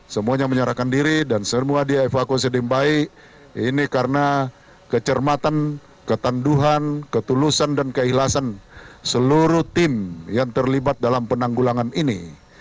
semuanya menyerahkan diri dan semua dia evakuasi dengan baik ini karena kecermatan ketanduhan ketulusan dan keikhlasan seluruh tim yang terlibat dalam penanggulangan ini